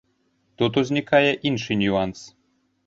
Тут узнікае іншы нюанс.